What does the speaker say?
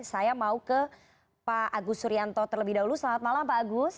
saya mau ke pak agus suryanto terlebih dahulu selamat malam pak agus